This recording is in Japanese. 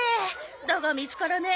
だが見つからねえ。